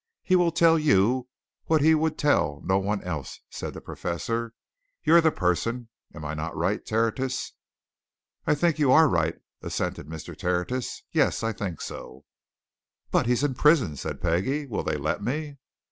He will tell you what he would tell no one else," said the Professor. "You're the person. Am I not right, Tertius?" "I think you are right," assented Mr. Tertius. "Yes, I think so." "But he's in prison!" said Peggie. "Will they let me?"